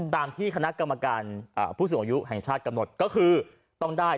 ตามที่คณะกรรมการผู้สูงอายุแห่งชาติกำหนดก็คือต้องได้